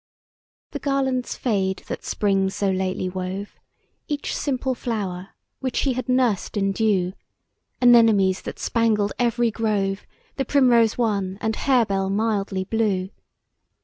THE garlands fade that Spring so lately wove, Each simple flower, which she had nursed in dew, Anemonies, that spangled every grove, The primrose wan, and hare bell mildly blue.